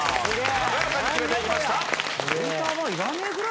鮮やかに決めていきました。